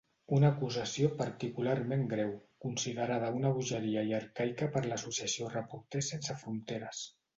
Una acusació particularment greu, considerada una bogeria i arcaica per l'associació Reporters Sense Fronteres.